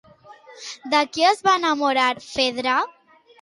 De qui es va enamorar Fedra?